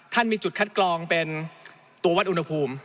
มีจุดคัดกรองเป็นตัววัดอุณหภูมิ